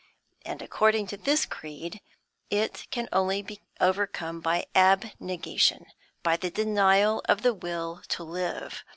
And, according to this creed, it can only be overcome by abnegation, by the denial of the will to live.